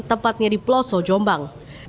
tempatnya di pelosok jombang